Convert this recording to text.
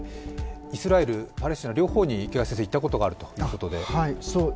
イスラエル、パレスチナ両方に池谷先生は行ったことがあるということで。